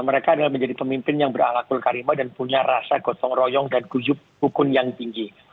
mereka adalah menjadi pemimpin yang beraklakul karima dan punya rasa gotong royong dan guyup hukum yang tinggi